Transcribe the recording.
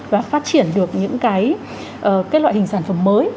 và phát triển được những cái loại hình sản phẩm mới